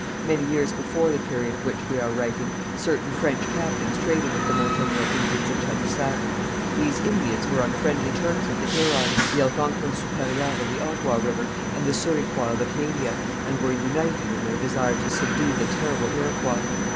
Many years before the period of which we are writing, certain French captains traded with the Montagnais Indians of Tadousac. These Indians were on friendly terms with the Hurons, the Algonquins Supérieurs of the Ottawa river, and the Souriquois of Acadia, and were united in their desire to subdue the terrible Iroquois.